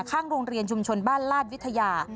ข้างโรงเรียนชุมชนบ้านลาดวิทยา